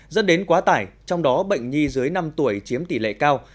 dẫn đến quá tải trong đó bệnh nhi dưới năm tuổi chiếm tỷ lệ cao